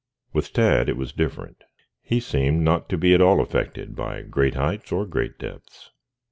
With Tad it was different. He seemed not to be at all affected by great heights or great depths.